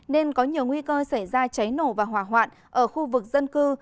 nên có nhiều nguy cơ xảy ra cháy nổ và hỏa hoạn ở khu vực dân cư